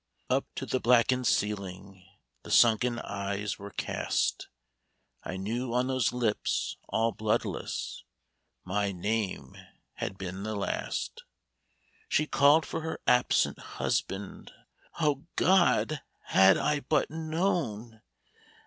" Up to the blackened ceiling The sunken eyes were cast — I knew on those lips all bloodless My name had been the last ; She 'd called for her absent husband — O Grod ! had I but known